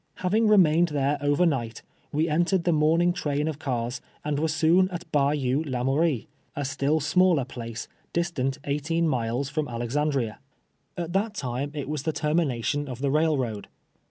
Having remained there over night, we entered the morning train of cars, and were soon at Bayou Lamoui ie, a still smaller place, distant eighteen miles from Alexandria. At that time it was the termination of the railroad.